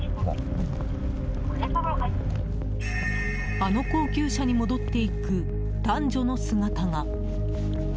あの高級車に戻っていく男女の姿が。